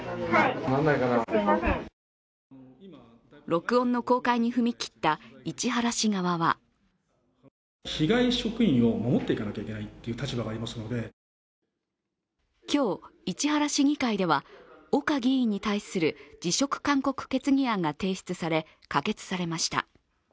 録音の公開に踏み切った市原市側は今日、市原市議会では岡議員に対する辞職勧告決議案が提出され可決されました。